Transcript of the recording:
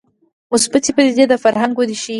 مثبتې پدیدې د فرهنګ وده ښيي